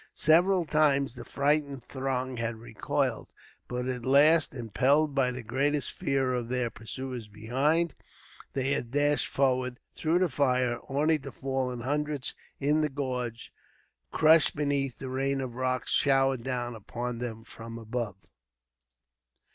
Several times the frightened throng had recoiled, but at last, impelled by the greater fear of their pursuers behind, they had dashed forward through the fire, only to fall in hundreds in the gorge, crushed beneath the rain of rocks showered down upon them from above.